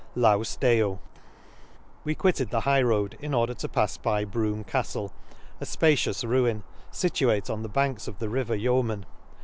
Laus Deo/' We quitted the high road, in order to pafs by Brougham Castle, a fpacious ruin, fituate on the banks of the river Yeoman.